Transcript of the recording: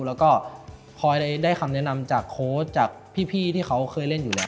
แล้วก็คอยได้คำแนะนำจากโค้ชจากพี่ที่เขาเคยเล่นอยู่แล้ว